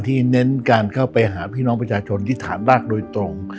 เน้นการเข้าไปหาพี่น้องประชาชนที่ฐานรากโดยตรง